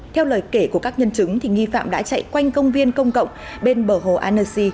theo lời kể của các nhân chứng nghi phạm đã chạy quanh công viên công cộng bên bờ hồ annersy